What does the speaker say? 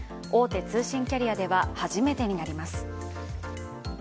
大手通信キャリアでは初めてになります。